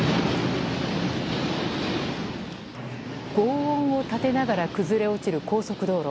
轟音を立てながら崩れ落ちる高速道路。